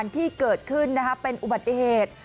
ที่เกิดขึ้นเป็นอุบัติเหตุ